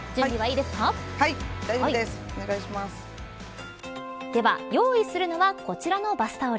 では、用意するのはこちらのバスタオル。